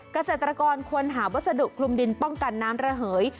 เกษตรกรควรหาวัสดุคลุมดินป้องกันน้ำระเหย